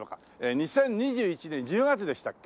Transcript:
２０２１年１０月でしたっけ？